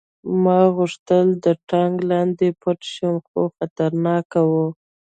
ما غوښتل د ټانک لاندې پټ شم خو خطرناک و